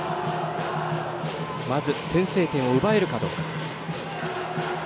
まず先制点を奪えるかどうか。